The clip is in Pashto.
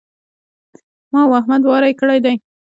ما او احمد واری کړی دی.